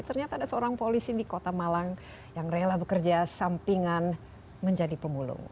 ternyata ada seorang polisi di kota malang yang rela bekerja sampingan menjadi pemulung